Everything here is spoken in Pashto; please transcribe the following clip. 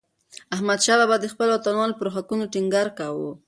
احمدشاه بابا د خپلو وطنوالو پر حقونو ټينګار کاوه.